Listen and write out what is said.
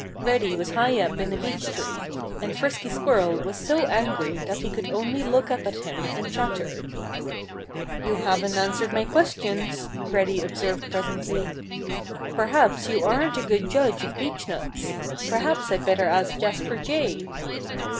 Reddy was high up in a beech tree. And Frisky Squirrel was so angry that he could only look up at him and chatter. "You haven't answered my questions," Reddy observed presently. "Perhaps you aren't a good judge of beechnuts. Perhaps I'd better ask Jasper Jay."